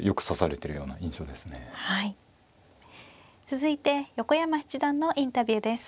続いて横山七段のインタビューです。